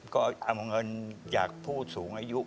ก็เอาเงินจากผู้สูงอายุ